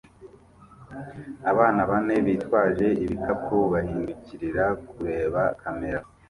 Abana bane bitwaje ibikapu bahindukirira kureba kamera